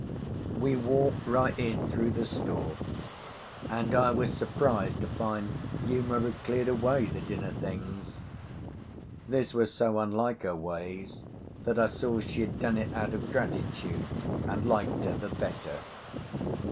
We walked right in through the store, and I was surprised to find Uma had cleared away the dinner things. This was so unlike her ways that I saw she had done it out of gratitude, and liked her the better.